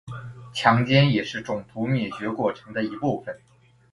强奸也是种族灭绝过程的一部分。